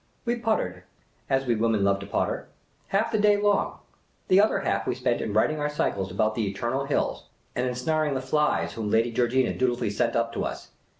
We pottered, as we women love to potter, half the day long ; the other half we spent in riding our cycles about the eternal hills, and ensnaring the flies whom Lady Georgina dutifully sent up to us.